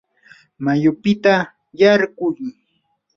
mayupita yarquy.